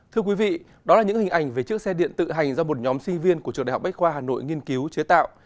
thưa quý vị đó là những hình ảnh về chiếc xe điện tự hành do một nhóm sinh viên của trường đại học bách khoa hà nội nghiên cứu chế tạo